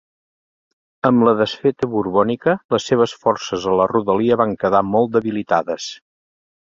Amb la desfeta borbònica, les seves forces a la rodalia van quedar molt debilitades.